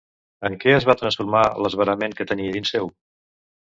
En què es va transformar l'esverament que tenia dins seu?